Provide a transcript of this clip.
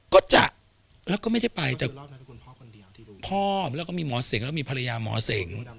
ก็จ่ะแล้วก็ไม่ได้ไปพ่อแล้วก็มีหมอเส็งแล้วก็มีภรรยาหมอเส็ง